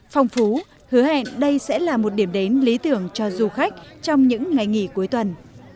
phong phú hứa hẹn đây sẽ là một điểm đến lý tưởng cho du khách trong những ngày nghỉ cuối tuần